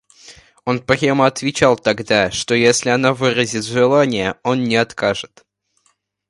Он прямо отвечал тогда, что если она выразит желание, он не откажет.